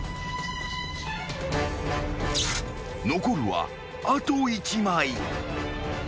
［残るはあと１枚］